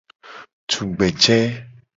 Tugbeje.